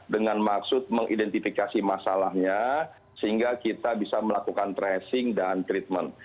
dengan maksud mengidentifikasi masalahnya sehingga kita bisa melakukan tracing dan treatment